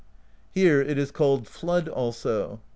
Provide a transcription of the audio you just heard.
Here it is called Flood also.